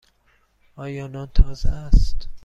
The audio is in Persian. آیا نان تازه است؟